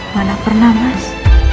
mana pernah mas